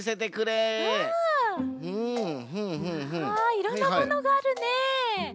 いろんなモノがあるね。